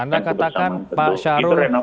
anda katakan pak syarul